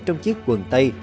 trong chiếc quần tay